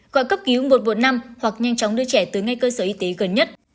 gọi cấp cứu một trăm một mươi năm hoặc nhanh chóng đưa trẻ tới ngay cơ sở y tế gần nhất